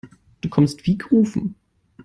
Du kommst wie gerufen.